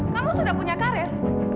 kamu sudah punya karir